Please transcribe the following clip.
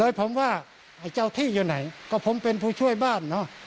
โดยผมว่าไอ้เจ้าที่อยู่ไหนก็ผมเป็นผู้ช่วยบ้านเนอะ